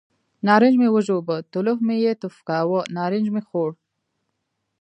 نارنج مې وژبه، تلوف مې یې توف کاوه، نارنج مې خوړ.